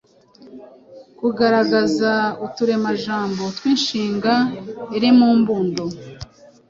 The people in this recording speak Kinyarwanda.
Kugaragaza uturemajambo tw’inshinga iri mu mbundo